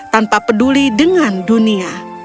tanpa peduli dengan dunia